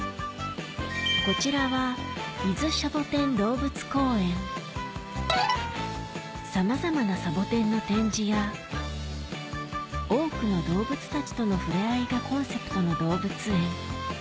こちらはさまざまなサボテンの展示や多くの動物たちとの触れ合いがコンセプトの動物園